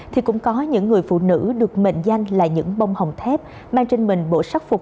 thì cũng có những người phụ nữ được mệnh danh là những bông hồng thép mang trên mình bộ sắc phục